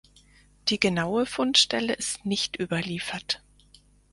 Die genaue Fundstelle ist nicht überliefert.